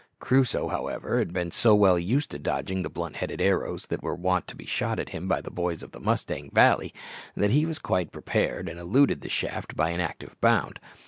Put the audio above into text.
Crusoe, however, had been so well used to dodging the blunt headed arrows that were wont to be shot at him by the boys of the Mustang Valley, that he was quite prepared, and eluded the shaft by an active bound.